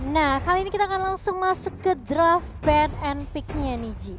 nah kali ini kita akan langsung masuk ke draft pen and pick nya niji